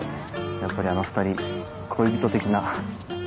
やっぱりあの２人恋人的な。